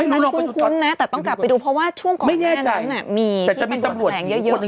ตอนนั้นคุ้นแต่ต้องกลับไปดูเพราะว่าช่วงก่อนแอ่นนั้นมีที่ไม่แน่ใจ